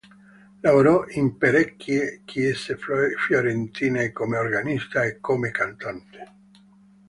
Lavorò in parecchie chiese fiorentine come organista e come cantante.